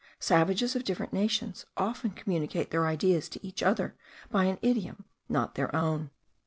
Savages of different nations often communicate their ideas to each other by an idiom not their own.